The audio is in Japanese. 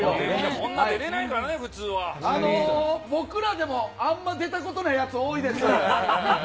こんな出れないじゃない、僕らでも、あんま出たことないやつ、多いです。